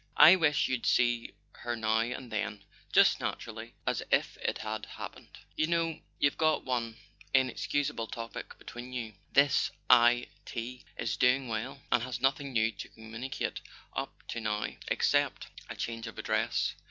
"I wish you'd see her now and then—just naturally, as if it had happened. You know you've got one In¬ exhaustible Topic between you. The said I. T. is doing well, and has nothing new to communicate up to now [ 196 ] A SON AT THE FRONT except a change of address.